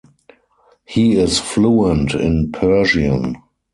He is fluent in Persian.